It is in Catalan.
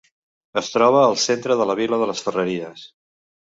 Es troba al centre de la vila de les Ferreries.